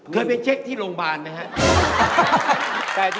เพื่อนไม่เจ็คที่โรงพยาบาลไหมฮะ